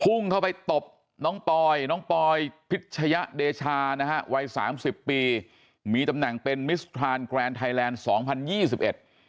พุ่งเข้าไปตบน้องปอยน้องปอยพิชยะเดชานะฮะวัยสามสิบปีมีตำแหน่งเป็นมิสทรานแกรนไทยแลนด์สองพันยี่สิบเอ็ด